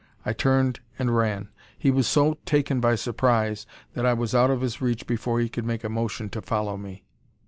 I turned and ran. He was so taken by surprise that I was out of his reach before he could make a motion to follow me.